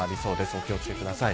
お気を付けください。